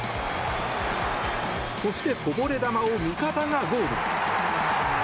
そしてこぼれ球を味方がゴール。